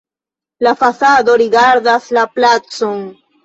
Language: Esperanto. La fasado rigardas la placon.